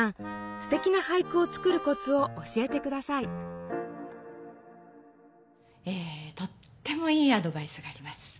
すてきな俳句をつくるコツを教えて下さいとってもいいアドバイスがあります。